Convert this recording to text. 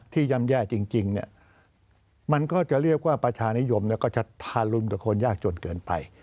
ย่ำแย่จริงมันก็จะเรียกว่าประชานิยมก็จะทารุนกับคนยากจนเกินไป